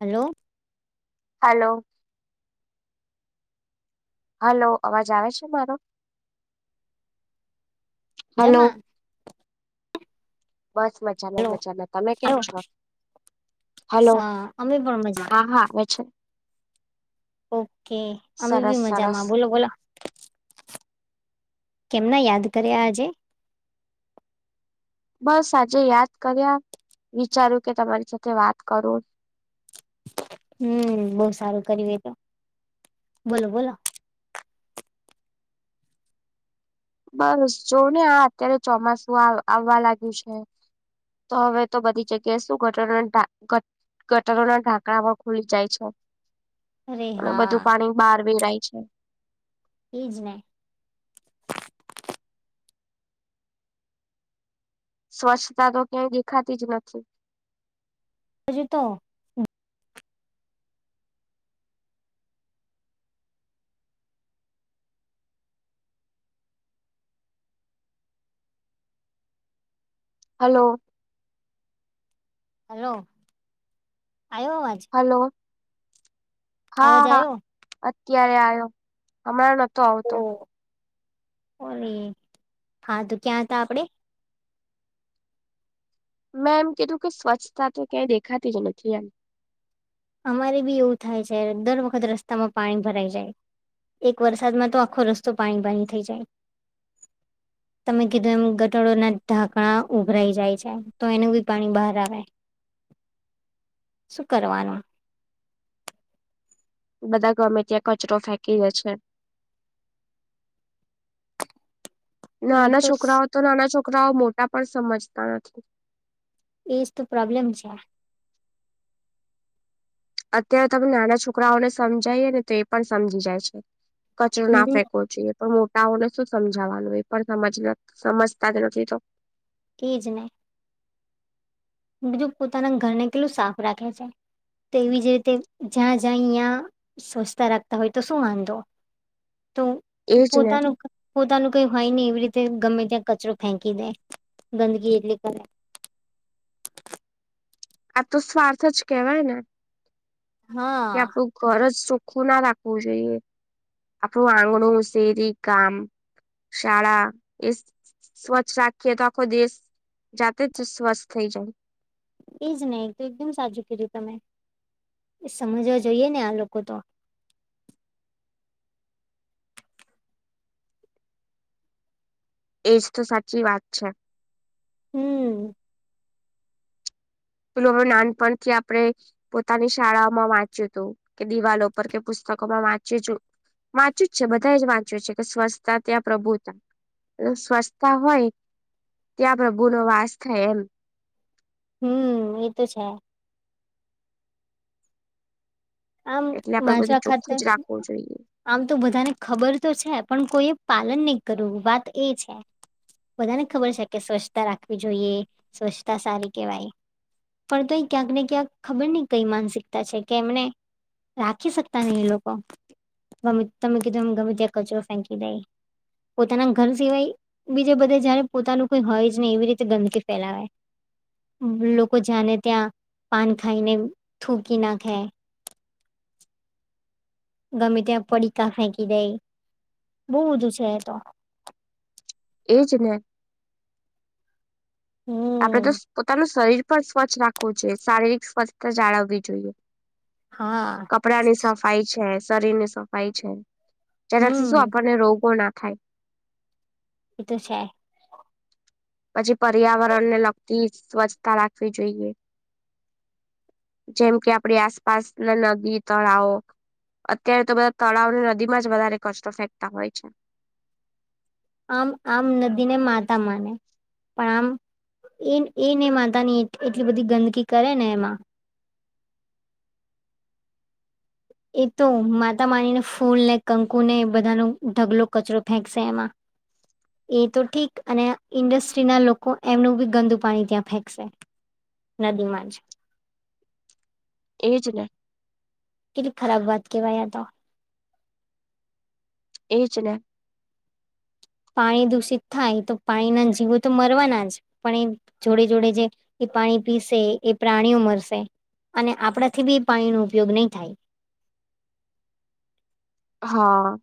Hello હાલો હલોઅવાજ આવે છે મારો હલો જમાં બસ મજા ન મજાનો તમે કેમ છો? હલો હા અમે પણ મજામાં હા હા આવે છે. ઓકે અમે સરસ બી સરસ મજામાં બોલો બોલો કેમના યાદ કર્યા આજે બસ આજે યાદ કર્યા વિચારું કે તમારી સાથે વાત કરું. [inaudible] હમ્મ બહુ સારું કર તો બોલો બોલો બસ જોવો ને આ અત્યારે ચોમાસું આવવા લાગ્યું છે. તો હવે તો બધી જગ્યાએ શું ઘટના ટા ગટરોના ઢાંકણામાં ખુલી જાય છે. અરે અને હા બધું પાણી બહાર વેરાય છે. ઈ જ ને સ્વચ્છતા તો ક્યાંય દેખાતી જ નથી હજી તો હલો હલો આયો અવાજ હલો અવાજ હા આવ્યો અત્યારે આવ્યો હમણાં નહતો આવતો ઓલી હા તો ક્યાં હતા આપડે મેં એમ કીધું કે સ્વચ્છતા તો ક્યાંય દેખાતી જ નથી એમ અમારે બી એવું થાય છે દર વખત રસ્તામાં પાણી ભરાઈ જાય એક વરસાદમાં તો આખો રસ્તો પાણી પાણી થઈ જાય [inaudible] તમે કીધું એમ ગટાડોના ઢાંકણા ઉભરાઈ જાય છે તો એનું બી પાણી બહાર આવે [inaudible] શું કરવાનું બધા ગમે ત્યાં કચરો ફેંકી જ છે નાના છોકરાઓ તો નાના છોકરાઓ મોટા પણ સમજતા નથી એજ તો પ્રોબ્લેમ છે. અત્યારે તમે નાના છોકરાઓને સમજાયએ ને તો એ પણ સમજી જાય છે. કચરો ના હમ ફેંકવો જોઈએ તો મો ટા ઓને શું સમજાવાનું એ પણ સમજ સમજતા જ નથી તો એ જ ને બીધું પોતાના ઘરને કેટલું સાફ રાખે છે. તેવી જ રીતે જ્યાં જ્યાંં સ્વચછતા રાખતા હોય તો શું વાંધો તો એજ ને પોતાનું પોતાનું કઈ હોય નહી એવી રીતે ગમે ત્યાં કચરો ફેંકી દે ગંદકી એટલી કરે આ તો સ્વાર્થ જ કેહેવાય ને કે હા આપણું ઘર જ ચોખ્ખું ના રાખવું જોઈએ આપણું આંગણું સેરી ગામ સળા એ સ્વચ્છ રાખે તખો દેશ જાતે જ સ્વસ્થ થઈ જાય એજ નહીિ તો એકદમ સાજું કર્યું તમે એ સમજવા જોઈએ ને આ લોકો તો એજ તો સાચી વાત છે હમ પેલું હવે નાનપણથી આપણે પોતાની શાળામાં વાંચ્યું હતું કે દિવાલો પર કે પુસ્ત પુસ્તકો માં વાંચ્યું વાંચ્યું જ છે બધા જ વાંચ્યું છે કે સ્વચ્છતા ત્યાં પ્રભુતા સ્વચ્છતા હોય ત્યાં પ્રભુનોો વાસ થાય એમ હમ એ તો છે આમ એટલે આપડે વાજવા બધું ખાતર ચોખ્ખું જ રાખવું જોઈએ આમ તો બધાને ખબર તો છે પણ કોઈ પાલન નહી કરવું વાત એ છે બધાને ખબર છે કે સ્વચ્છતા રાખવી જોઈએ સ્વચ્છતા સારી કેવાય પણ તો એ ક્યાંકને ક્યાંક ખબર નહી કઈ માનસિકતા છે કે એમને રાખી શકતા નહી એ લોકો ગમે તમે કીધું ગમે ત્યાં કચરો ફેંકી દઈ પોતાના ઘર સિવાય બીજે બધે જયારે પોતાનું કોઈ હોય જ ને એવી રીતે ગંદકી ફેલાવાય લોકો જાને ત્યાં પાન ખાઈને થૂકી ના ખાય ગમે ત્યાં પડીતા ફેંકી દઈ બહુ બધું છે તો એજ ને હમ આપડે તો પોતાનું શરીર પણ સ્વચ્છ રાખવું જોઈએ શારીરિક સ્વસ્્થતા જાળવવી જોઈએ હા કપડા ની સફાઈ છે શરીર ની સફાઈ છે જેનાથી શું હમ આપણને રોગો ના થાય એતો છે પછી પર્યાવરણને લગતી સ્વચ્છતા રાખવી જોઈએ જેમ કે આપડી આસપાસ ના નદી તળાવ અત્યારે તો બધા તળાવને નદીમાં જ વધારે કષ્ટો ફેંકતા હોય છે આમ આમ નદીને માતા માને પણ આમ એ એ ને માતા ની એટલી બધી ગંદકી કરે ને એમાં એ તો માતા માનીને ફૂલ ને કંકુ ને બધાનો ઢગલો કચરો ફેંકશે એમાં. એ તો ઠીક અને ઇન્ડસ્ટ્રી ના લોકો એમનું બી ગંદુ પાણી ત્યાં ફેંકશે, નદીમાં જ, એજ ને! કેટલી ખરાબ વાત કેવાયા આ તો, એ જ ને પાણી દૂષિત થાય તો પાણીના જીવો તો મરવાના જ પણ, એ જોડે જોડે જે એ પાણી પીસે એ પ્રાણીઓ મરસે, અને આપણાથી બી પાણી ન ઉપયોગ નહીં થાય હા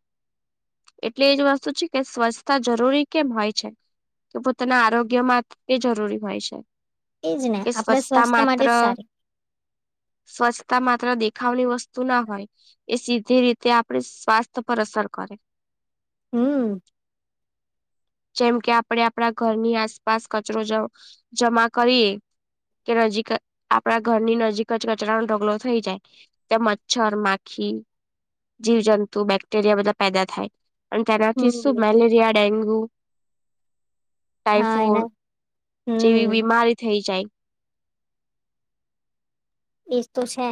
એટલે એજ વસ્તુ છે કે સ્વચ્છતા જરૂરી કેમ હોય છે તો પોતાના આરોગ્યમાં તે જરૂરી હોય છે એજ ને કે આપણા સ્વચ્છતા સ્વાસ્થ્ય માત્ર માટે જ સારી સ્વચ્છતા માત્ર દેખાવની વસ્તુ ના હોય એ સીધી રીતે આપડ સ્વાસ્થ પર અસર કરે હમ જેમ કે આપડે આપણા ઘરની આસપાસ કચરો જમા કરીએ કે નજીક જ આપણા ઘરની નજીક જ કચરાનો ઢગલો થઈ જાય ત્યા મચ્છર માખી જીવજંતુ, બેક્ટેરિયા બધા પેદા થાય. અને તેનાથી શું હમ મેલેરિયા, ડેન્ગુ હા એના ટાઈફોડ જેવી હમ બીમારી થઈ જાય. એ તો છે.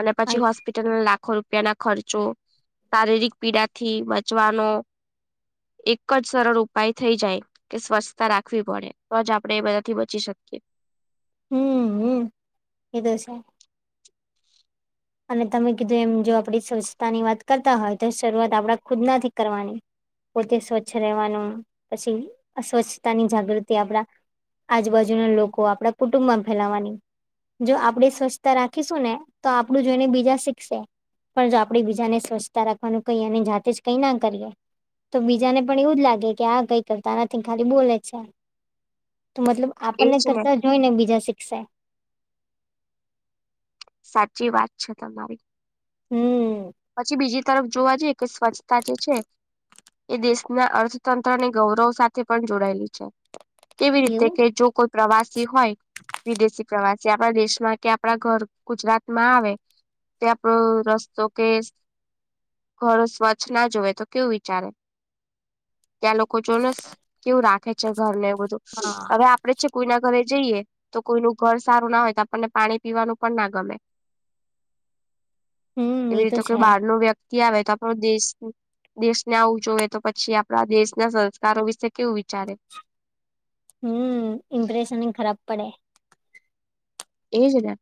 અને પછી હોસ્પિટલ લા લાખો રૂપિયાના ખર્ચો શારીરિક પીડાથી બચવાનો એક જ સરળ ઉપાય થઈ જાય કે સ્વચ્છતા રાખવી પડે તો, જ આપણેે એ બધાથી બચી શકીએ. હમ હમ એ તો છે. અને તમે કીધું એમ જો આપણી સ્વ્છતાની વાત કરતા હોય, તો શરૂઆત આપણા ખુદનાથી કરવાની. પોતે સ્વચ્છ રહેવાનું પછી અસ્વચ્છતાની જાગૃતિ આપણા આજુબાજુના લોકો આપડા કુટુંબમાં ફેલાવાની, જો આપણેે સ્વચ્છતા રાખીશું ને તો, આપણું જોઈને બીજા શીખશે. પણ જો આપડી બીજાને સ્વચ્છતા રાખવાનું કઈ અને જાતે જ કઈ ના કરીએ તો બીજાને પણ એવું જ લાગે કે આ કઈ કરતા નથી ખાલી બોલે છે. તો મતલબ આપણને એજ ને કરતા જોઈને બીજા શિખશે. સાચી વાત છે તમારી. હમ પછી બીજી તરફ જોવા જઈએ કે સ્વચ્છતા જે છે. એ દેશના અર્થતંત્રની ગૌરવ સાથે પણ જોડાયેલી છે. કેવી રીતે એવું કે જો કોઈ પ્રવાસી હોય, વિદેશી પ્રવાસી આપણા દેશમાં કે, આપણા ઘર ગુજરાત માં આવે, તે આપડો રસ્તો કે ઘડું સ્વચ્છ ના જોવે તો કેવું વિચારે ત્યાં લોકો જોને કેવું રાખે છે, ઘરને એ બધું હા હવે આપણે છે કોઈના ઘરે જઈએ તો કોઈનું ઘર સારું ના હોય તો, આપણને પાણી પીવાનું પણ ના ગમે. [unintelligible] [inaudible] હમ એવી એ તો રીતે કોઈ છે બહાર નું વ્યક્તિ આવે તો આપણો દેશ દેશને આવું જોઈએ તો પછી આપણા દેશના સંસ્કારો વિશે કેવું વિચારે? હુ ઇમ્પ્રેશન ખરાબ પડે. એ જ ને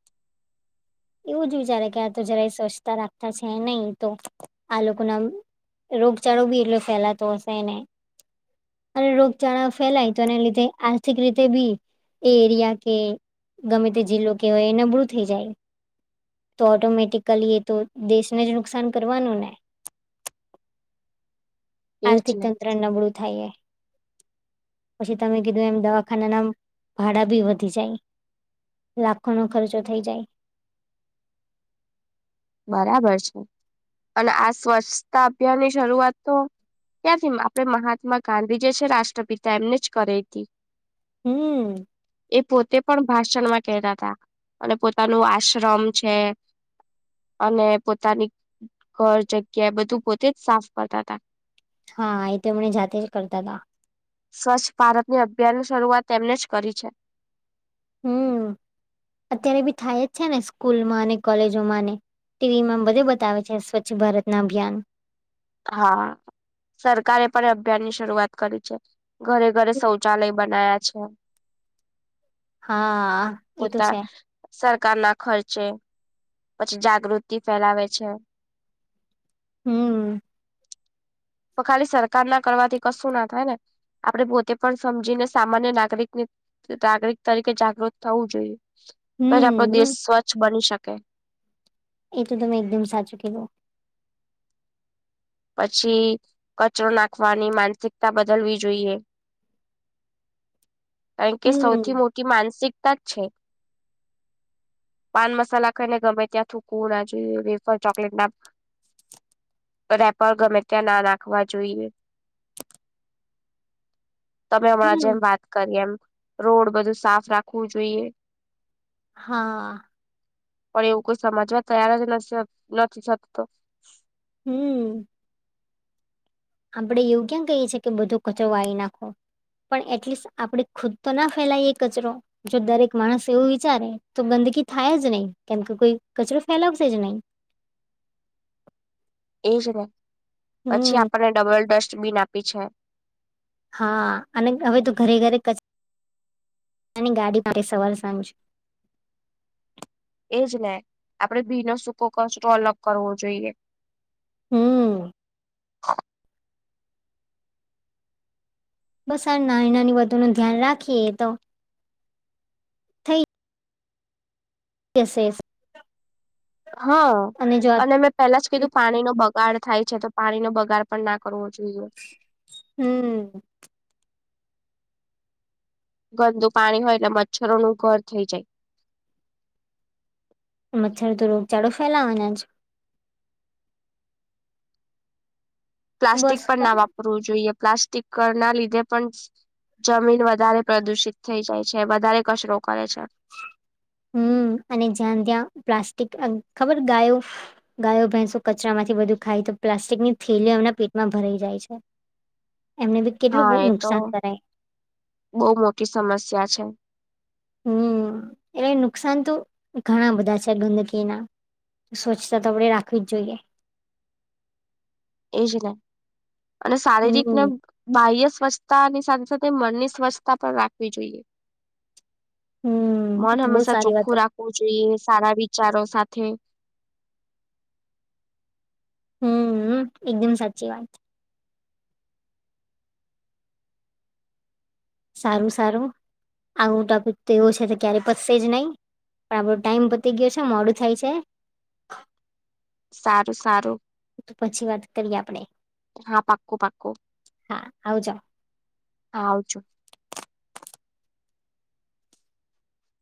એવું જ વિચારે કે આ તો જરાય સ્વચ્છતા રાખતા છે નહી તો આ લોકોના રોગચાળો ભી એટલો ફેલાતો હશેને અને રોગચાળા ફેલાય તો એને લીધે આર્થિક રીતે ભી એ એરિયા કે ગમે તે જિલ્લો કેવાય એ નબળું થઇ જાય. તો ઓટોમેટિકલી એ તો દેશને જ નુકસાન કરવાનું ને [unintelligible] [inaudible] એજ આર્થિક ને તંત્ર નબળું થાયએ પછી તમે કીધું એમ દવાખાનાના ભાડા ભી વધી જાય લાખો નો ખર્ચો થઈ જાય બરાબર છે અને આ સ્વચ્છતા અભિયાનની શરૂઆત તો ત્યાંથી આપણે મહાત્મા ગાંધી જે છે, રાષ્ટ્રપિતા એમને જ કરે હતી. હુ એ પોતે પણ ભાષણમાં કેતા હતા અને પોતાનું આશ્રમ છે. અને પોતાની ઘર જગ્યા એ બધું પોતે જ સાફ કરતા હતા. હા એ તો એમને જાતે જ કરતા હતા. સ્વચ્છ ભારતની અભિયાનની શરૂઆત તેમને જ કરી છે. હમ અત્યારે ભી થાય જ છે ને સ્કૂલમાં અને કોલેજોમાં ને, ટીવીમાં બધે બતાવે છે સ્વચ્છ ભારતના અભિયાન, હા સરકારે પણ અભિયાનની શરૂઆત કરી છે. ઘરે ઘરે શૌચાલય બનાયા છે. [unintelligible] [inaudible] હા એ તો છે. સરકાર ના ખર્ચે પછી જાગૃતિ ફેલાવે છે. હૂ તો ખાલી સરકાર ના કરવાથી કશું ના થાય ને આપણે પોતે પણ સમજીને સામાન્ય નાગરિકને નાગરિક તરીકે જાગૃત થવું જોઈએ. તો જ આપણો દેશ હમ સ્વચ્છ બની શકે. એ તો તમે એકદમ સાચું કિધું. પછી કચરો નાખવાની માનસિકતા બદલવી જોઈએ. કારણ કે સૌથી હમ મોટી માનસિકતા જ છે. પાન મસાલા ખાઈને ગમે ત્યાં થૂકવુ ના જોઇએ, વેફર ચોકલેટ ના [unintelligible] [inaudible] રેપડ ગમે ત્યાં ના રાખવા જોઈએ. તમે હમણાં હમ જેમ વાત કરી એમ રોડ બધું સાફ રાખવું જોઈએ. હા પણ એવું કોઈ સમજવા તૈયાર જ નથી નથી થતતો હૂ આપડે એવું ક્યાં કહીએ છીએ કે બધો કચરો વારી નાખો. પણ એટલીસ્ટ આપે ખુદ તો ના ફેલાયએ કચરો જો દરેક માણસ એવું વિચારે તો બ થાય જ નહી કેમ કે કોઈ કચરો ફેલાવશે જ નહી. [unintelligible] [inaudible] એજ ને પછી હમ આપણને ડબલ ડસ્ટબીન આપી છે. હા અને હવે તો ઘરે ઘરે તેની ગાડી માટે સવાલ સામજીયો. એજ ને આપડે બી નો સૂકો કોલઅપ કરવો જોઈએ. હું. હ [inaudible] બસ આ નાની નાની વધુ ન ધ્યાન રાખીએ તો થઈ. યસ સેસ હા અને મેં પેલા જ કીધું પાણી નો બગાડ થાય છે તો પાણીનો બગાડ પણ નાખી કરવો જોઈએ. હમ ગંદુ પાણી હોય એટલે મચ્છરોનું ઘર થઈ જાય. મચ્છર તો રોગચાળો ફેલાવાના જ પ્લાસ્ટિક બસ પણ તો ના વાપરવું જોઈએ પ્લાસ્ટિક ના લીધે પણ જમીન વધારે પ્રદુષિત થઈ જાય છે વધારે કચરો કરે છે. હમ અને જ્યાં ત્યાં પ્લાસ્ટિક ખબર ગાયો ગાયો ભેંસો કચરા માંથી બધું ખાય તો પ્લાસ્ટિકની થેલીઓ એમના પેટમાં ભરાઈ જાય છે. એમને બી કેટલું હા એ તો નુકસાન કરાય બહુ મોટી સમસ્યા છે. [unintelligible] હમ [inaudible] એટલે નુકસાન તો ઘણા બધા છે ગંદકીના સ્વચ્છતા તો આપણેે રાખવી જ જોઈએ. એજ ને અને શારીરિકને હમ બાહ્ય સ્વચ્છતાની સાથે સાથે મનની સ્વચ્છતા પણ રાખવી જોઈએ. હમ એ મન તો બહુ હંમેશા સારી વાત ચોખ્ખું રાખવું જોઈએ સારા રીતે વિચારો સાથે હું હું એકદમ સાચી વાત સારું સારું આવું ટોપિક તો એવો છે ક્યારે પચશે જ નહી. પણ આપડો ટાઈમ બતી ગયો છે મોડું થાય છે. સારું સારું. પછી વાત કરીએ આપડે હા પાક્કું પાક્કું હા આવ જાવ. હા આવજો.